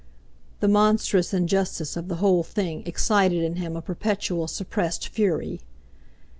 The monstrous injustice of the whole thing excited in him a perpetual suppressed fury.